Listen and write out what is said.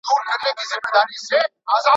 وروستۍ بڼه د څېړونکي لخوا بشپړېږي.